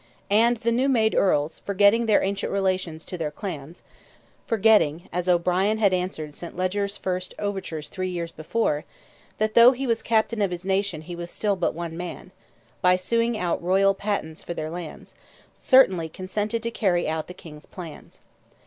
And the new made Earls, forgetting their ancient relations to their clans—forgetting, as O'Brien had answered St. Leger's first overtures three years before, "that though he was captain of his nation he was still but one man," by suing out royal patents for their lands, certainly consented to carry out the King's plans.